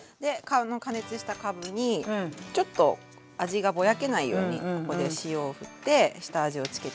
加熱したかぶにちょっと味がぼやけないようにここで塩を振って下味を付けておきますね。